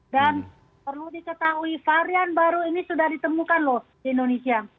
dan perlu diketahui varian baru ini sudah ditemukan loh di indonesia